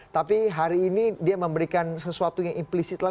tapi hari ini dia memberikan sesuatu yang implisit lah